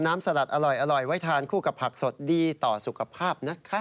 สลัดอร่อยไว้ทานคู่กับผักสดดีต่อสุขภาพนะคะ